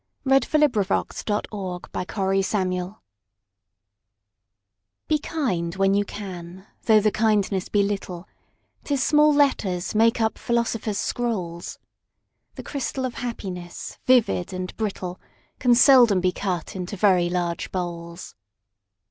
146033Be Kind When You CanEliza Cook Be kind when you can, though the kindness be little, 'Tis small letters make up philosophers' scrolls; The crystal of Happiness, vivid and brittle, Can seldom be cut into very large bowls.